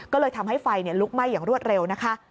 ก็เลยทำให้ไฟลุกไหม้อย่างรวดเร็วนะคะ